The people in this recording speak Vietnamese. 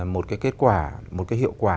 một kết quả một hiệu quả